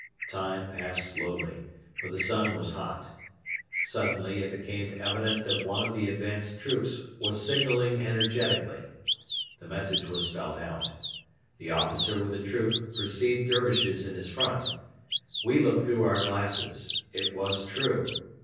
Time passed slowly, for the sun was hot. Suddenly it became evident that one of the advanced troops was signalling energetically. The message was spelt out. The officer with the troop perceived Dervishes in his front. We looked through our glasses. It was true.